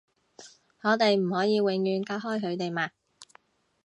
我哋唔可以永遠隔開佢哋嘛